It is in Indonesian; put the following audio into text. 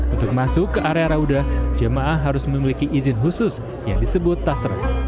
untuk masuk ke area rauda jamaah harus memiliki izin khusus yang disebut tasra